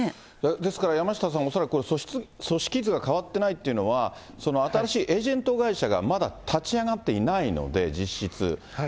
ですから山下さん、恐らく、組織図が変わってないっていうのは、新しいエージェント会社がまだ立ち上がっていないので、実質。